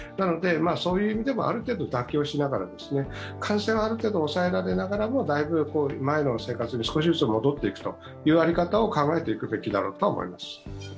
そういう意味でも、ある程度妥協しながら感染はある程度抑えながら前の生活に少しずつ戻っていくという在り方を考えていくべきだろうと思います。